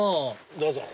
どうぞ。